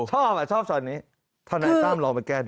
ชอบชอบช่อนี้ธนายตั้มลองไปแก้ดู